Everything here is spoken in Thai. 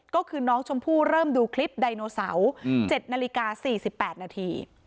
ก็คือน้องชมพู่เริ่มดูคลิปไดโนเสาร์๗นาฬิกา๔๘นาที